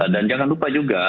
dan jangan lupa juga